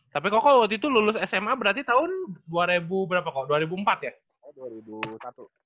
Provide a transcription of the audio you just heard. tapi koko waktu itu lulus sma berarti tahun dua ribu berapa kok dua ribu empat ya